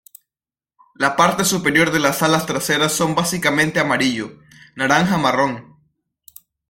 La parte superior de las alas traseras son básicamente amarillo, naranja-marrón.